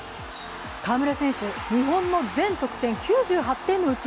河村選手、日本の全得点９８点のうち